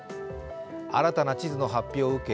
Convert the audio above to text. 新たな地図の発表を受け